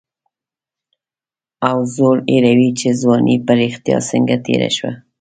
او زوړ هېروي چې ځواني په رښتیا څنګه تېره شوه.